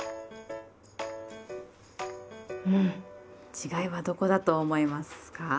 違いはどこだと思いますか？